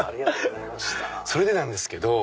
それでなんですけど。